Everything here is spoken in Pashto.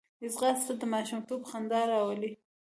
ځغاسته د ماشومتوب خندا راولي